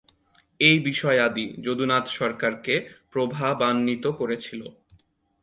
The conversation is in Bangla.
এই বিষয়াদি যদুনাথ সরকারকে প্রভাবান্বিত করেছিল।